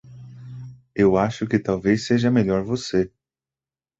Eu acho que talvez seja melhor você.